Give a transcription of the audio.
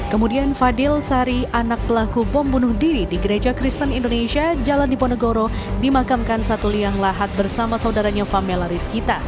kemudian fadil sari anak pelaku bom bunuh diri di gereja kristen indonesia jalan diponegoro dimakamkan satu liang lahat bersama saudaranya famela rizkita